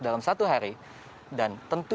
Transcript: dalam satu hari dan tentu